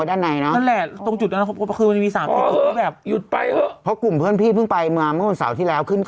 ไปวางจนลิ้นพญานาคหักแล้วนะ